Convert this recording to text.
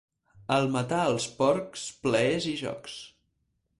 Al matar els porcs, plaers i jocs.